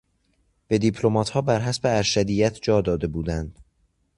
به دیپلماتها برحسب ارشدیت جا داده بودند.